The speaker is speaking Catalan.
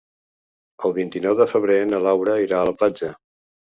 El vint-i-nou de febrer na Laura irà a la platja.